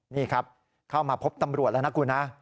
นี่ครับเข้ามาพบตำรวจแล้วนะคุณนะ